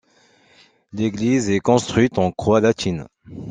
L'église est construite en croix latine.